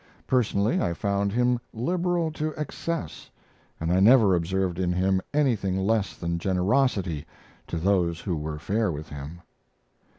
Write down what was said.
Personally, I found him liberal to excess, and I never observed in him anything less than generosity to those who were fair with him.